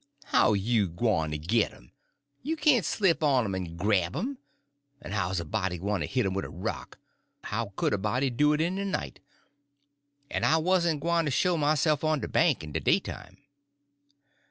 "How you gwyne to git 'm? You can't slip up on um en grab um; en how's a body gwyne to hit um wid a rock? How could a body do it in de night? En I warn't gwyne to show mysef on de bank in de daytime."